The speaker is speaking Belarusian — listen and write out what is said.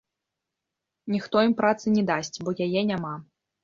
Ніхто ім працы не дасць, бо яе няма.